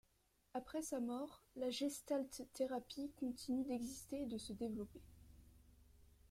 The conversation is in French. Après sa mort, la Gestalt-thérapie continue d'exister et de se développer.